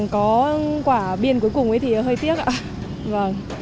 có quả biên cuối cùng ấy thì hơi tiếc ạ